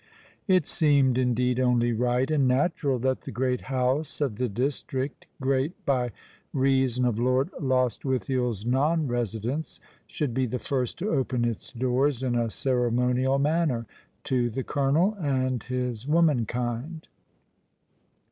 It seemed, indeed, only right and natural that the great house of the district, great by reason of Lord Lost withiel's non residence, should be the first to open its doors in a ceremonial manner to the colonel and his womankind.